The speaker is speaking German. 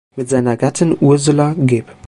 Mit seiner Gattin Ursula geb.